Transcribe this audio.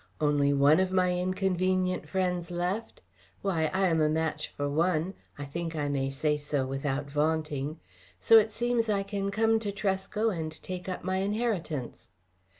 Only one of my inconvenient friends left! Why, I am a match for one I think I may say so without vaunting so it seems I can come to Tresco and take up my inheritance."